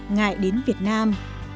ngại đến việt nam